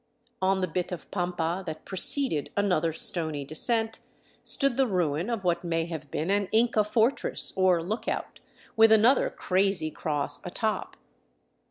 On the bit of pampa that preceded another stony descent stood the ruin of what may have been an Inca fortress or look out, with another crazy cross atop.